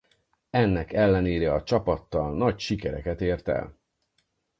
Ennek ellenére a csapattal nagy sikereket ért el.